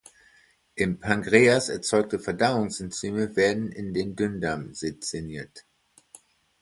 Im Pankreas erzeugte Verdauungsenzyme werden in den Dünndarm sezerniert.